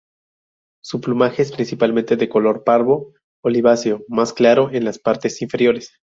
Su plumaje es principalmente de color pardo oliváceo, más claro en las partes inferiores.